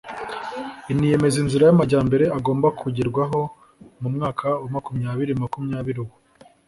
iniyemeza inzira y'amajyambere agomba kugerwaho mu mwaka wa makumyabiri makumyabiri uwo